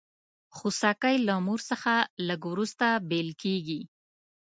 خوسکی له مور څخه لږ وروسته بېل کېږي.